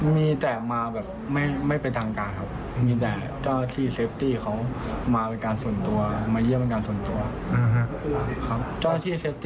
มีแต่มาแบบไม่เป็นทางการครับ